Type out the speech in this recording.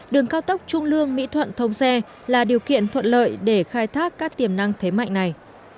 đường cao tốc trung lương mỹ thuận thông xe là điều kiện thuận lợi để khai thác các tiềm năng thế mạnh này